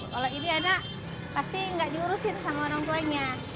kalau ini anak pasti nggak diurusin sama orang tuanya